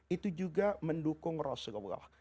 itu juga mendukung rasulullah